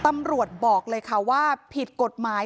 ตำรวจบอกเลยค่ะว่าผิดกฎหมาย